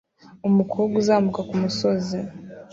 Umukobwa uzamuka kumusozi